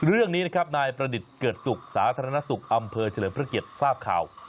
เรื่องนี้นะครับนายประดิษฐ์เกิดสุขสาธารณสุขอำเภอเฉลิมพระเกียรติทราบข่าว